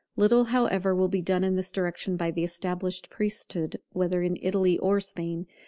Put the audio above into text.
Little, however, will be done in this direction by the established priesthood, whether in Italy or Spain.